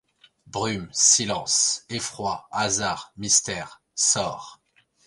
Brume, Silence, Effroi, Hasard, Mystère, Sort